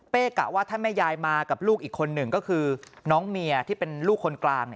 กะว่าถ้าแม่ยายมากับลูกอีกคนหนึ่งก็คือน้องเมียที่เป็นลูกคนกลาง